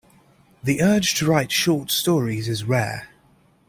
The urge to write short stories is rare.